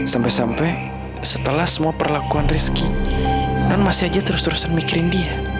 sampai sampai setelah semua perlakuan rizky non masih aja terus terusan mikirin dia